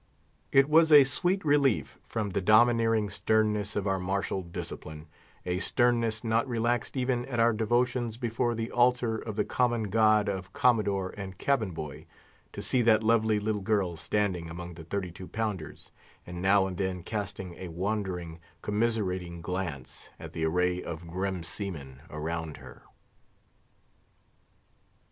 It was a sweet relief from the domineering sternness of our martial discipline—a sternness not relaxed even at our devotions before the altar of the common God of commodore and cabin boy—to see that lovely little girl standing among the thirty two pounders, and now and then casting a wondering, commiserating glance at the array of grim seamen around her.